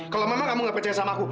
kalau memang kamu gak percaya sama aku